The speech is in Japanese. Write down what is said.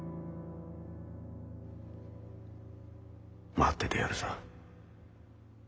待っててやるさ。